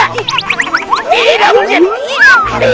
aduh aduh aduh